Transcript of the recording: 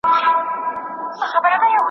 د لږکیو مذهبي ازادي په ټولنه کي محدوده سوې ده.